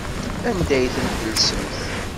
Anda ay tent-tellsemt?